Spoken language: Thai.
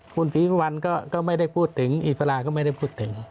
คุณศรีสุวรรณก็ไม่ได้พูดถึงอิสราก็ไม่ได้พูดถึง